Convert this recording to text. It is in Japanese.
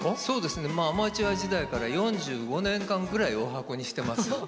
そうですねアマチュア時代から４５年間ぐらいおはこにしてます。